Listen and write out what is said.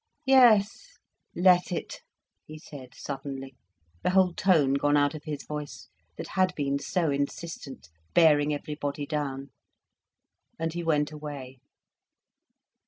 "Yes, let it," he said suddenly, the whole tone gone out of his voice, that had been so insistent, bearing everybody down. And he went away.